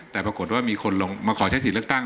แต่ปรากฏว่ามีคนลงมาขอใช้สิทธิ์เลือกตั้ง